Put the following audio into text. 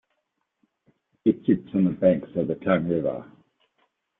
It sits on the banks of the Tongue River.